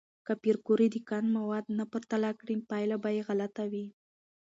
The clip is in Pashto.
که پېیر کوري د کان مواد نه پرتله کړي، پایله به غلطه وي.